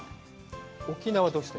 沖縄、どうして？